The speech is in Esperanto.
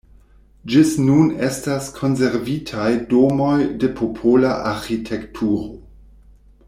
Ĝis nun estas konservitaj domoj de popola arĥitekturo.